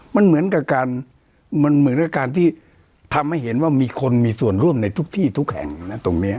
มันเหมือนกับการที่ทำให้เห็นว่ามีคนมีส่วนร่วมในทุกที่ทุกแห่งตรงนี้